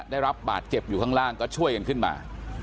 ได้รับบาดเจ็บอยู่ข้างล่างก็ช่วยกันขึ้นมา